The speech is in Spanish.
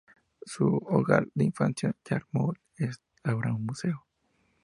Su hogar de infancia en Yarmouth es ahora un museo.